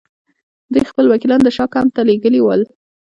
دوی خپل وکیلان د شاه کمپ ته لېږلي ول.